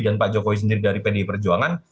dan pak jokowi sendiri dari pd perjuangan